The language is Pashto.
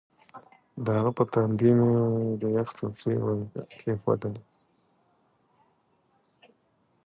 د هغه پر تندي مې د یخ ټوټې ور ایښودلې وې.